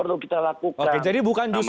perlu kita lakukan